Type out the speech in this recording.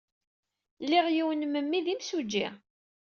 Liɣ yiwen n memmi d imsujji.